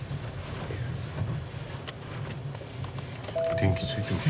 電気ついてます。